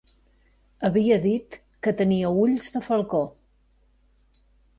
Havia dit que tenia ulls de falcó.